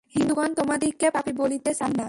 হিন্দুগণ তোমাদিগকে পাপী বলিতে চান না।